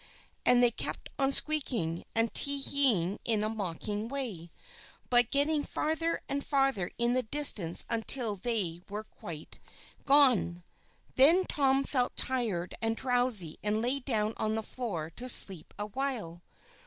And they kept on squeaking, and tee heeing in a mocking way; but getting farther and farther in the distance until they were quite gone. Then Tom felt tired and drowsy, and lay down on the floor to sleep awhile.